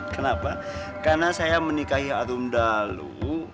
kenapa karena saya menikahi alun dalu